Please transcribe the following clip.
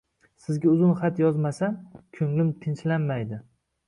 Sizga uzun xat yozmasam, ko'nglim tinchlanmaydi.